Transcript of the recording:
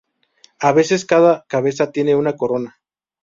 A veces cada cabeza tiene una corona.